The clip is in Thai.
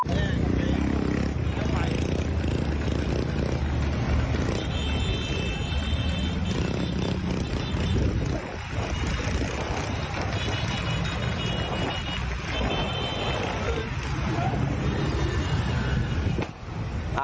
ระเบิดระเบิด